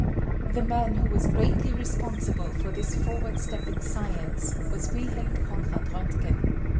The man who was greatly responsible for this forward step in science was Wilhelm Konrad Roentgen.